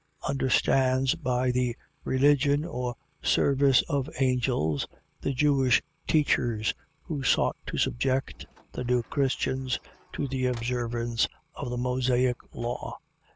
] understands by the religion or service of angels, the Jewish teachers, who sought to subject the new Christians to the observance of the Mosaic law.